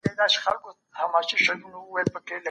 دولتونه لوړيږي.